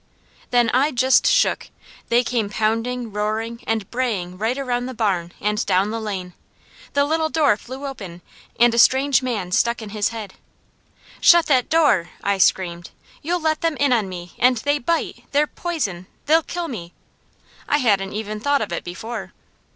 Then I just shook. They came pounding, roaring and braying right around the barn, and down the lane. The little door flew open and a strange man stuck in his head. "Shut that door!" I screamed. "You'll let them in on me, and they bite! They're poison! They'll kill me!" I hadn't even thought of it before.